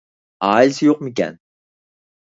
ئائىلىسى يوقمىكەن؟